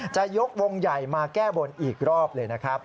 จะยกวงใหญ่มาแก้บนอีกรอบเลยนะครับ